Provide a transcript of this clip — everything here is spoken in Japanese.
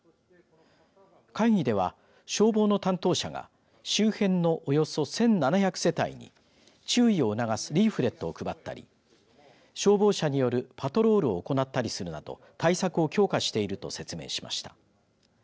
会議では消防の担当者が周辺のおよそ１７００世帯に注意を促すリーフレットを配ったり消防車によるパトロールを行ったりするなど対策を強化していると説明しました。